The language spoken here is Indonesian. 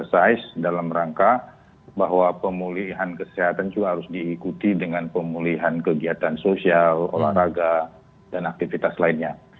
size dalam rangka bahwa pemulihan kesehatan juga harus diikuti dengan pemulihan kegiatan sosial olahraga dan aktivitas lainnya